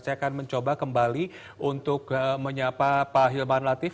saya akan mencoba kembali untuk menyapa pak hilman latif